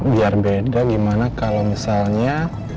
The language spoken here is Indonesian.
biar beda gimana kalau misalnya